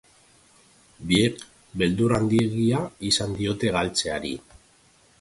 Biek beldur handiegia izan diote galtzeari.